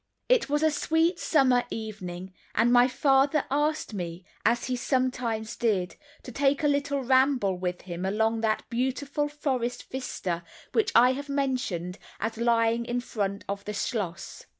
It was a sweet summer evening, and my father asked me, as he sometimes did, to take a little ramble with him along that beautiful forest vista which I have mentioned as lying in front of the schloss.